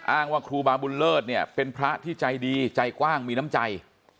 อ้างว่าครูบาร์บูลเลิศเป็นพระที่ใจดีใจกว้างมีน้ำใจ